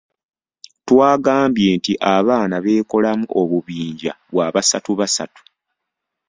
Twagambye nti abaana beekolamu obubinja bwa basatu basatu.